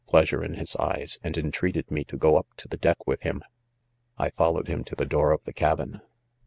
pleasure in his .eyes, and entreated me to go up to the deck .with nim. ,'£ I followed him to the. door of the cabin